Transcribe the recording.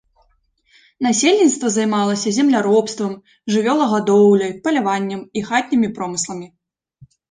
Насельніцтва займалася земляробствам, жывёлагадоўляй, паляваннем і хатнімі промысламі.